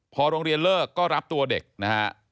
พอโรงเรียนเลิกก็รับตัวเด็กนะฮะ